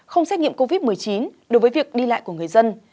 không xét nghiệm covid một mươi chín đối với việc đi lại của người dân